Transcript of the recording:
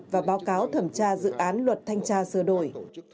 và báo cáo thẩm tra dự án luật thanh tra sửa đổi